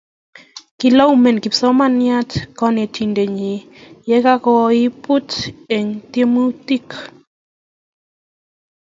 kilaumen kipsomanian konetinte nyiny ye kankoibut en tiemutich